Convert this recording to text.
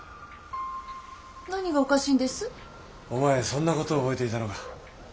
お前そんなことを覚えていたのか。